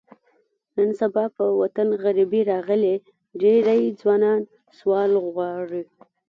نن سبا په وطن غریبي راغلې، ډېری ځوانان سوال غواړي.